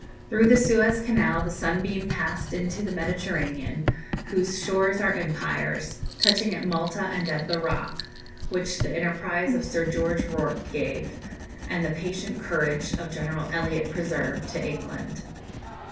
Through the Suez Canal the Sunbeam passed into the Mediterranean, "whose shores are empires," touching at Malta and at "the Rock," which the enterprise of Sir George Rorke gave, and the patient courage of General Eliott preserved, to England.